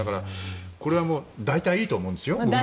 これは代替いいと思うんですよ。